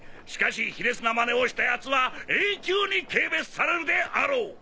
しかし卑劣なまねをした奴は永久に軽蔑されるであろう。